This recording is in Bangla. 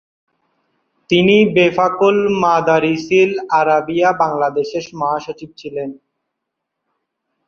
তিনি বেফাকুল মাদারিসিল আরাবিয়া বাংলাদেশের মহাসচিব ছিলেন।